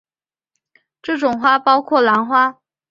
这种花包括兰花。